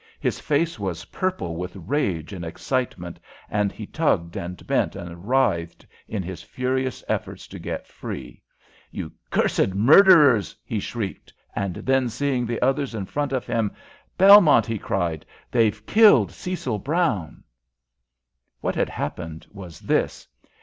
His face was purple with rage and excitement, and he tugged and bent and writhed in his furious efforts to get free. "You cursed murderers!" he shrieked, and then, seeing the others in front of him, "Belmont," he cried, "they've killed Cecil Brown." What had happened was this.